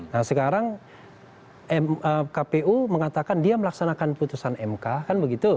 nah sekarang kpu mengatakan dia melaksanakan putusan mk kan begitu